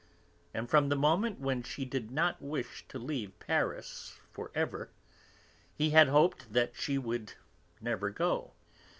And from the moment when she did not wish to leave Paris for ever he had hoped that she would never go.